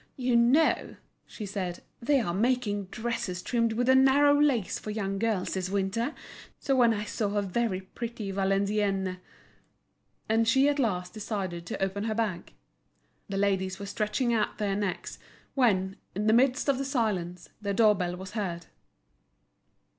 "You know," she said, "they are making dresses trimmed with a narrow lace for young girls this winter. So when I saw a very pretty Valenciennes—" And she at last decided to open her bag. The ladies were stretching out their necks, when, in the midst of the silence, the door bell was heard.